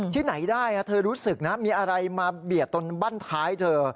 ที่ไหนได้เธอรู้สึกนะมีอะไรมาเบียดตรงบ้านท้ายเธอ